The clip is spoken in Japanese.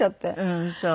うんそう。